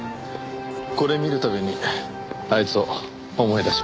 これ見るたびにあいつを思い出しますね。